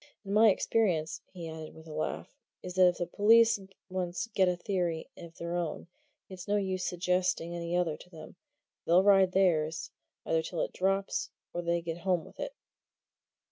And my experience," he added with a laugh, "is that if the police once get a theory of their own, it's no use suggesting any other to them they'll ride theirs, either till it drops or they get home with it."